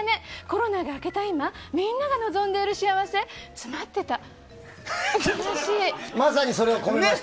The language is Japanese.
コロナが明けた今みんなが望んでいる幸せ詰まってた。